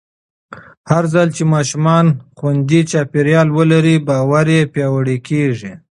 هرځل چې ماشومان خوندي چاپېریال ولري، باور یې پیاوړی کېږي.